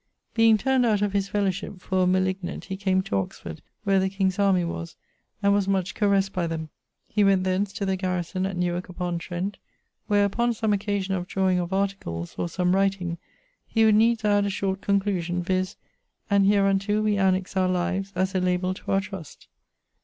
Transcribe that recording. Being turned out of his fellowship for a malignant he came to Oxford, where the king's army was, and was much caressed by them. He went thence to the garrison at Newark upon Trent, where upon some occasion of drawing of articles, or some writing, he would needs add a short conclusion, viz. 'and hereunto we annex our lives, as a labell to our trust.'